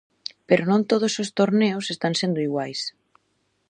Pero non todos os torneos están sendo iguais.